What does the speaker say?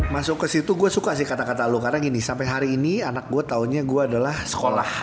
masuk ke situ gue suka sih kata kata lo karena gini sampai hari ini anak gue taunya gue adalah sekolah